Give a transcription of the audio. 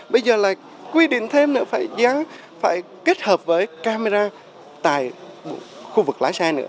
bây giờ là quy định thêm nữa phải kết hợp với camera tại khu vực lái xe nữa